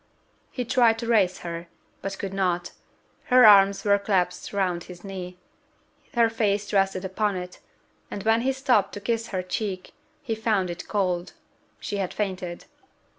He tried to raise her, but could not; her arms were clasped round his knee, her face rested upon it, and when he stooped to kiss her cheek, he found it cold she had fainted.